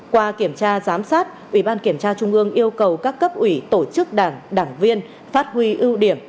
qua kiểm tra giám sát ủy ban kiểm tra trung ương yêu cầu các cấp ủy tổ chức đảng đảng viên phát huy ưu điểm